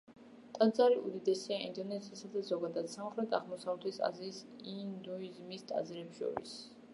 ტაძარი უდიდესია ინდონეზიის და ზოგადად, სამხრეთ-აღმოსავლეთი აზიის ინდუიზმის ტაძრებს შორის.